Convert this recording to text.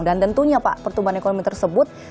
dan tentunya pak pertumbuhan ekonomi tersebut